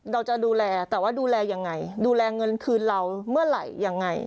เราจะดูแลแต่ว่าดูแลยังไงดูแลเงินคืนเราเมื่อไหร่ยังไง